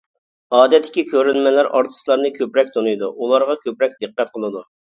ئادەتتىكى كۆرۈرمەنلەر ئارتىسلارنى كۆپرەك تونۇيدۇ، ئۇلارغا كۆپرەك دىققەت قىلىدۇ.